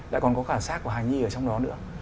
đã còn có cả xác và hài nhi ở trong đó nữa